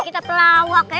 kita pelawak ya